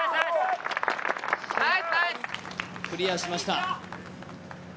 クリアしました。